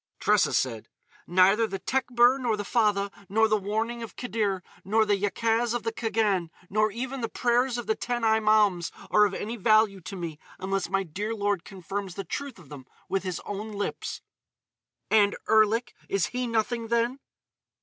Tressa said: "Neither the Tekbir nor the fatha, nor the warning of Khidr, nor the Yacaz of the Khagan, nor even the prayers of the Ten Imaums are of any value to me unless my dear lord confirms the truth of them with his own lips." "And Erlik? Is he nothing, then?"